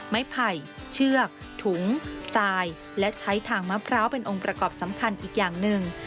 ไม้ไผ่เชือกถุงทรายและใช้ทางมะพร้าวเป็นองค์ประกอบสำคัญอีกอย่างหนึ่ง